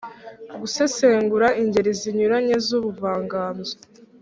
Gusesengura ingeri zinyuranye z’ubuvanganzo